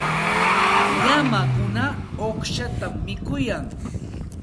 Llamakuna uqshatam mikuyan.